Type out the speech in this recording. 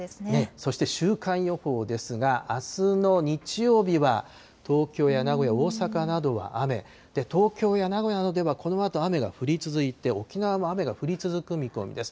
そして、週間予報ですが、あすの日曜日は、東京や名古屋、大阪などは雨、東京や名古屋などでは、このあと雨が降り続いて、沖縄も雨が降り続く見込みです。